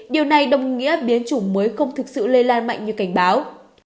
điều này đồng nghĩa biến chủng mới không thực sự lây lan mạnh như cảnh báo